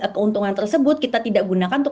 keuntungan tersebut kita tidak gunakan untuk